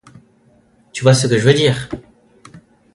« Tu vois ce que je veux dire.